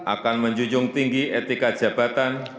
akan menjunjung tinggi etika jabatan